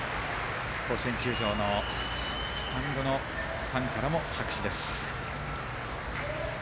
甲子園球場のスタンドのファンからも拍手です。